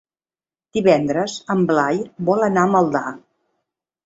Divendres en Blai vol anar a Maldà.